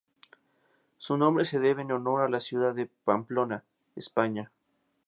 Su nombre se debe en honor a la ciudad de Pamplona, España.